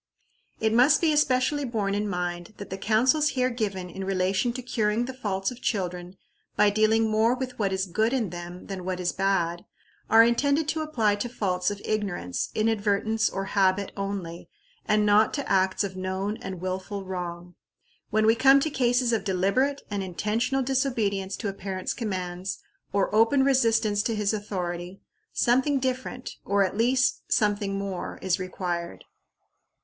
It must be especially borne in mind that the counsels here given in relation to curing the faults of children by dealing more with what is good in them than what is bad, are intended to apply to faults of ignorance, inadvertence, or habit only, and not to acts of known and willful wrong. When we come to cases of deliberate and intentional disobedience to a parent's commands, or open resistance to his authority, something different, or at least something more, is required.